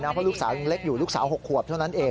เพราะว่าฝักสาวอีกเล็กอยู่ฝักสาว๖ขวบเท่านั้นเอง